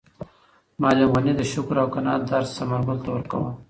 معلم غني د شکر او قناعت درس ثمرګل ته ورکاوه.